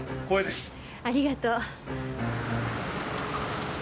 ありがとう。